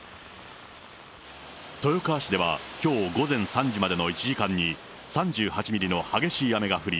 豊川市ではきょう午前３時までの１時間に、３８ミリの激しい雨が降り、